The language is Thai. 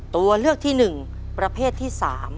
ตัวเลือกที่๑ประเภทที่๓